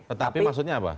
tetapi maksudnya apa